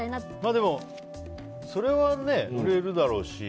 でも、それは売れるだろうし。